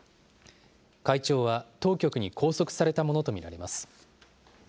会長は当局に拘束されたものと見られます。